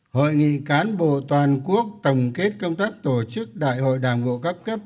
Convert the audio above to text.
hội nghị cán bộ toàn quốc tổng kết công tác tổ chức đại hội đảng bộ các cấp